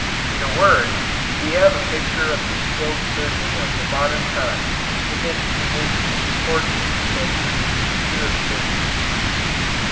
In a word, we have a picture of the skilled surgeon of the modern time in this treatise of a fourteenth century teacher of surgery.